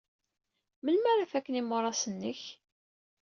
Melmi ara faken yimuras-nnek?